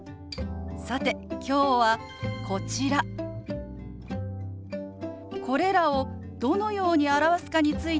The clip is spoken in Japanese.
さて今日はこちらこれらをどのように表すかについてお話ししようと思います。